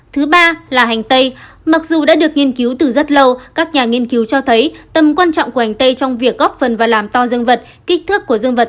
thứ ba là hành tây mặc dù đã được nghiên cứu từ rất lâu các nhà nghiên cứu cho thấy tầm quan trọng của hành tây trong việc góp phần và làm to dương vật